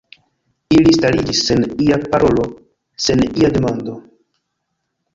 Ili stariĝis sen ia parolo, sen ia demando.